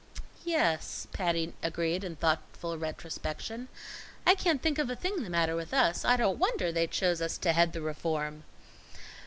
"Y yes," Patty agreed in thoughtful retrospection, "I can't think of a thing the matter with us I don't wonder they chose us to head the reform!"